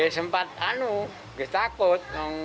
sempat itu saya takut